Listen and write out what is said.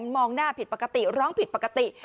มองหน้าผิดปกติร้องผิดปกติ